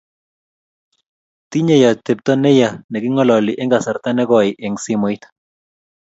Tinyei atepto ne ya ne king'ololi eng kasarta ne koi eng simoit.